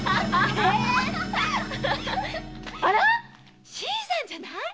アラッ新さんじゃない？